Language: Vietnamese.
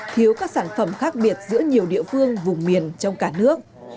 thiếu các sản phẩm khác biệt giữa nhiều địa phương vùng miền trong cả nước